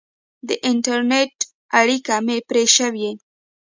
د انټرنېټ اړیکه مې پرې شوې.